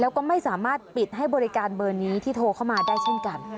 แล้วก็ไม่สามารถปิดให้บริการเบอร์นี้ที่โทรเข้ามาได้เช่นกัน